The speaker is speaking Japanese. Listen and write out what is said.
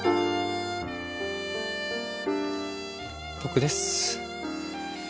僕です。